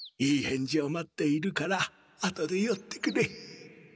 いい返事を待っているから後でよってくれ。